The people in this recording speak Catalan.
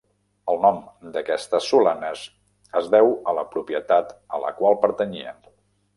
El nom d'aquestes solanes es deu a la propietat a la qual pertanyien.